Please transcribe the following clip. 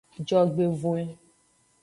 Jogbevoin.